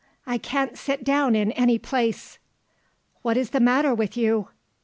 I can't sit down in any place." "What is the matter with you?"